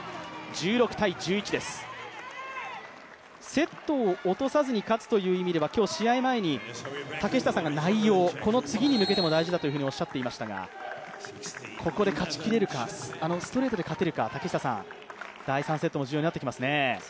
セットを落とさずに勝つという意味では今日、試合前に竹下さんが内容、この次に向けても大事だとおっしゃっていましたがここで勝ちきれるかストレートで勝ちきれるか、第３セットも非常に重要になってきていますよね。